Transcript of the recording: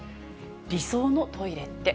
理想のトイレって？